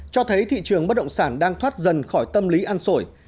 cho thấy thị trường bất động sản đang thoát dần khỏi tâm lý ăn sổi